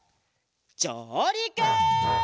じょうりく！